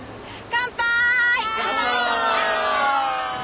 乾杯。